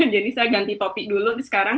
jadi saya ganti topi dulu